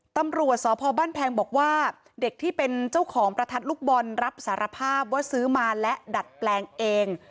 ตำรวจสพบ้านแพงบอกว่าเด็กที่เป็นเจ้าของประทัดลูกบอลรับสารภาพว่าซื้อมาและดัดแปลงเอง